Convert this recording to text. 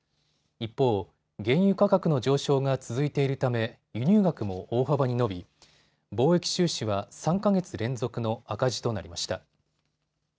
一方、原油価格の上昇が続いているため輸入額も大幅に伸び貿易収支は３か月連続の赤字となりました。